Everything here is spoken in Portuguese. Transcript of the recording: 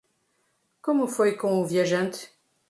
Como foi com o viajante?